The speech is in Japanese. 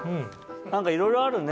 何かいろいろあるね。